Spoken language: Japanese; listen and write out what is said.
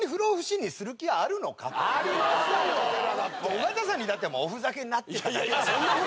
尾形さんに至ってはおふざけになってただけ。